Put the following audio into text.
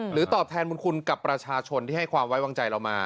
ตอบแทนบุญคุณกับประชาชนที่ให้ความไว้วางใจเรามา